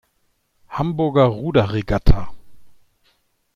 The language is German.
Hamburger Ruderregatta.